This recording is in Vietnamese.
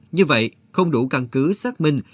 như vậy không đủ căn cứ xác minh